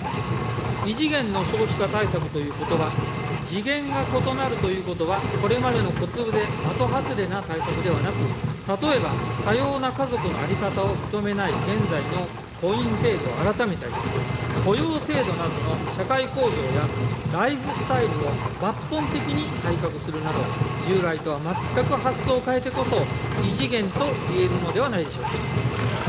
異次元の少子化対策ということば、次元が異なるということは、これまでの小粒で的外れな対策ではなく、例えば多様な家族の在り方を認めない現在の婚姻制度を改めたり、雇用制度などの社会構造やライフスタイルを抜本的に改革するなど、従来とは全く発想を変えてこそ異次元と言えるのではないでしょうか。